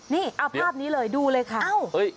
นี่เอาภาพนี้เลยดูเลยค่ะ